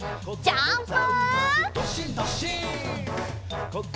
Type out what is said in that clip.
ジャンプ！